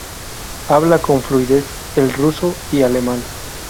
Habla con fluidez el ruso y alemán.